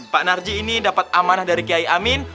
pak narji ini dapat amanah dari kiai amin